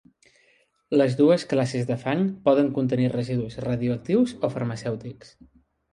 Les dues classes de fang poden contenir residus radioactius o farmacèutics.